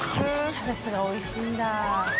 キャベツがおいしいんだ。